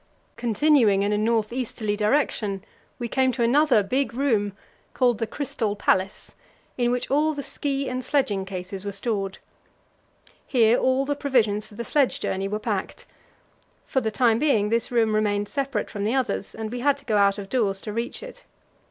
Continuing in a north easterly direction, we came to another big room, called the Crystal Palace, in which all the ski and sledging cases were stored. Here all the provisions for the sledge journey were packed. For the time being this room remained separate from the others, and we had to go out of doors to reach it.